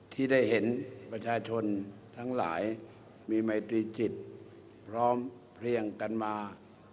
ที่ได้เห็นประชาชนทั้งหลายมีมัยตรีจิตพร้อมเพลียงกันมา